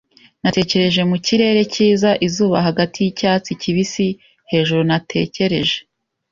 Natekereje mu kirere cyiza, izuba hagati yicyatsi kibisi-hejuru, natekereje